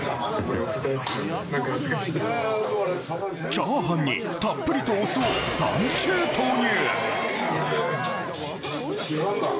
チャーハンにたっぷりとお酢を３周投入